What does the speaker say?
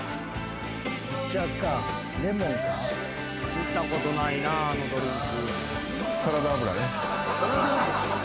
見たことないなあのドリンク。